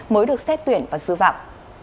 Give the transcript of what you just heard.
mới được xét tuyển và sư phạm